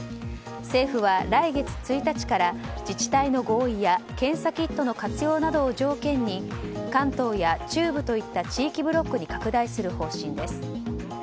政府は来月１日から自治体の合意や検査キットの活用などを条件に関東や中部といった地域ブロックに拡大する方針です。